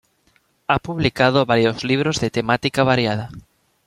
Ha publicado varios libros de temática variada.